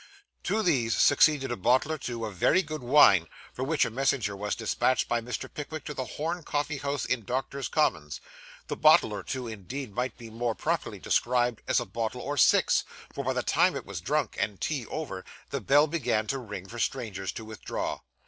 To these succeeded a bottle or two of very good wine, for which a messenger was despatched by Mr. Pickwick to the Horn Coffee house, in Doctors' Commons. The bottle or two, indeed, might be more properly described as a bottle or six, for by the time it was drunk, and tea over, the bell began to ring for strangers to withdraw.